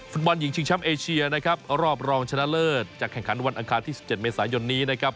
ฟุตบอลหญิงชิงแชมป์เอเชียนะครับรอบรองชนะเลิศจะแข่งขันวันอังคารที่๑๗เมษายนนี้นะครับ